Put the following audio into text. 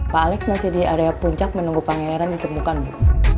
pak alex masih di area puncak menunggu pangeran ditemukan bu